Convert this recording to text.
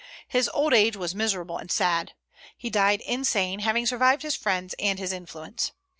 His old age was miserable and sad. He died insane, having survived his friends and his influence.